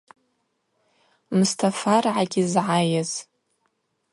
Мстафаргӏагьи згӏайыз.